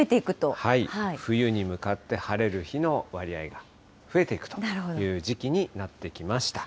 冬に向かって晴れる日の割合が増えてくるという時期になってきました。